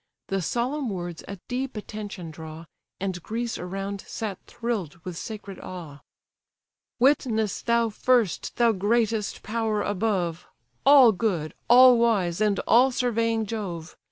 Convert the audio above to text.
The solemn words a deep attention draw, And Greece around sat thrill'd with sacred awe. "Witness thou first! thou greatest power above, All good, all wise, and all surveying Jove!